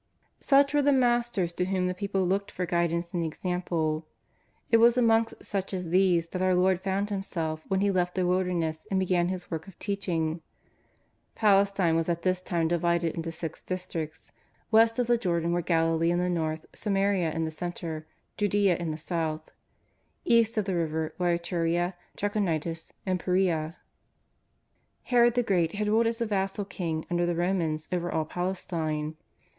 Such were the masters to whom the people looked for guidance and example. It was amongst such as these that our Lord found Himself when He left the wilder ness and began His work of teaching. Palestine w^as at this time divided into six districts. "West of the Jordan were Galilee in the north, Samaria in the centre, Judea in the south. East of the river were Ituria, Trachonitis and Perea. Herod the Great had ruled as a vassal king under the Romans over all Palestine.